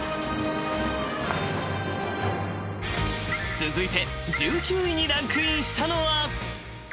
［続いて１９位にランクインしたのは］